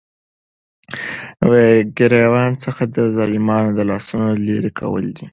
ګريوان څخه دظالمانو دلاسونو ليري كول دي ،